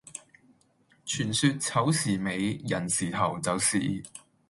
傳說丑時尾寅時頭就是